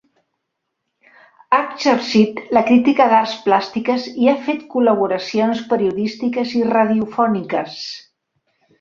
Ha exercit la crítica d'arts plàstiques i ha fet col·laboracions periodístiques i radiofòniques.